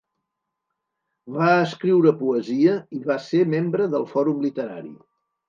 Va escriure poesia i va ser membre del Fòrum Literari.